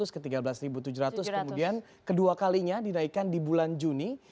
kemudian kedua kalinya dinaikkan di bulan juni